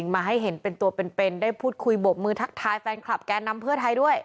มาให้เห็นเป็นตัวเป็นได้พูดคุยบกมือทักทายแฟนคลับแกนนำเพื่อไทยด้วย